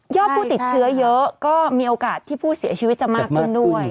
ผู้ติดเชื้อเยอะก็มีโอกาสที่ผู้เสียชีวิตจะมากขึ้นด้วย